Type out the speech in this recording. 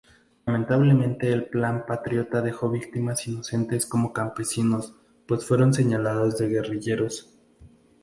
Lamentablemente el plan patriota dejó víctimas inocentes como campesinos, pues fueron señalados de guerrilleros.